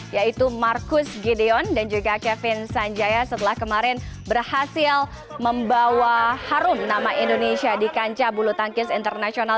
yaitu marcus gideon dan juga kevin sanjaya setelah kemarin berhasil membawa harun nama indonesia di kancah bulu tangkis internasional